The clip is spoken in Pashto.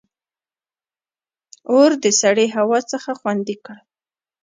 • اور د سړې هوا څخه خوندي کړل.